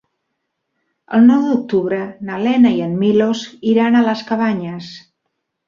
El nou d'octubre na Lena i en Milos iran a les Cabanyes.